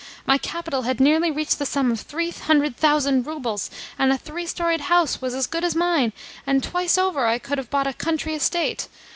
My capital had nearly reached the sum of three hundred thousand roubles, and a three storied house was as good as mine, and twice over I could have bought a country estate.